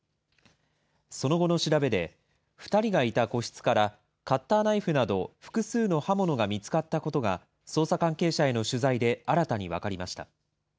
その後の調べで、２人がいた個室からカッターナイフなど、複数の刃物が見つかったことが、捜査関係者への取材で新たに分かりました。